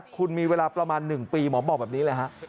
คุณมีเวลาประมาณ๑ปีหมอบอกแบบนี้เลยฮะ